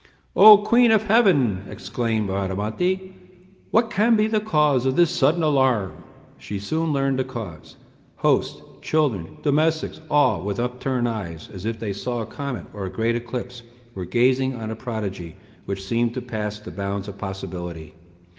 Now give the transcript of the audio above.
"O queen of heaven!" exclaimed Bradamante, "what can be the cause of this sudden alarm?" She soon learned the cause. Host, children, domestics, all, with upturned eyes, as if they saw a comet or a great eclipse, were gazing on a prodigy which seemed to pass the bounds of possibility.